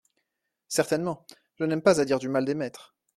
Certainement, je n’aime pas à dire du mal des maîtres…